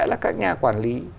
là các nhà quản lý